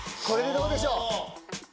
これでどうでしょう？